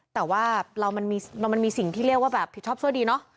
แต่ว่ามันมีสิ่งที่เรียกว่าแบบผิดชอบชั่วดีเนอะ